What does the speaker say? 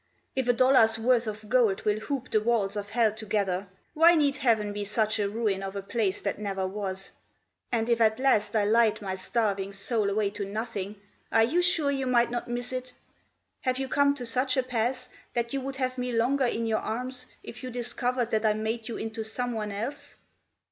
If a dollar's worth of gold will hoop the walls of hell together, Why need heaven be such a ruin of a place that never was? And if at last I lied my starving soul away to nothing, Are you sure you might not miss it? Have you come to such a pass That you would have me longer in your arms if you discovered That I made you into someone else.